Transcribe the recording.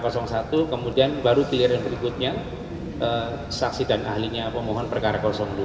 kemudian baru giliran berikutnya saksi dan ahlinya pemohon perkara dua